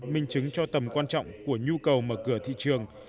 minh chứng cho tầm quan trọng của nhu cầu mở cửa thị trường